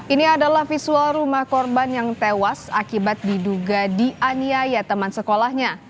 ini adalah visual rumah korban yang tewas akibat diduga dianiaya teman sekolahnya